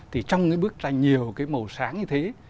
thì trong cái bức tranh nhiều cái màu sáng như thế